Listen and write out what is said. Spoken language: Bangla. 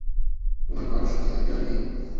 উনার কারোর সাথে অ্যাফেয়ার নেই।